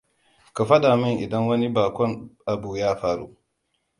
Ku faɗa min idan wani baƙon abu ya faru.